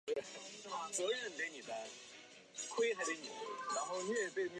普洛塔韦茨农村居民点是俄罗斯联邦别尔哥罗德州科罗恰区所属的一个农村居民点。